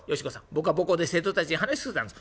僕は母校で生徒たちに話し続けたんです」。